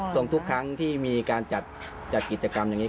ทุกครั้งที่มีการจัดกิจกรรมอย่างนี้